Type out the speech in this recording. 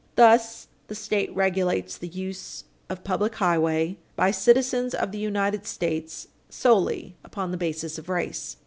Thus, the State regulates the use of a public highway by citizens of the United States solely upon the basis of race.